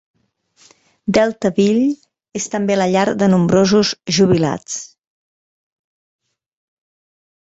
Deltaville és també la llar de nombrosos jubilats.